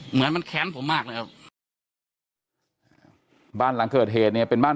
เหมือนมันแค้นผมมากเลยครับบ้านหลังเกิดเหตุเนี่ยเป็นบ้าน